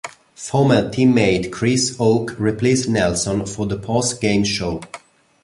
Former teammate Chris Hoke replaced Nelson for the post-game show.